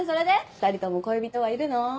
２人とも恋人はいるの？